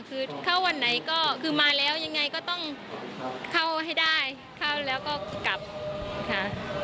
คือเข้าวันไหนก็คือมาแล้วยังไงก็ต้องเข้าให้ได้เข้าแล้วก็กลับค่ะ